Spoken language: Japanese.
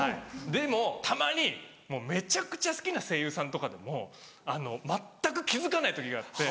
でもたまにめちゃくちゃ好きな声優さんとかでも全く気付かない時があって。